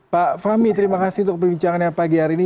pak fahmi terima kasih untuk perbincangannya pagi hari ini